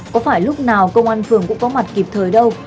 có phải lúc nào công an phường cũng có mặt kịp thời đâu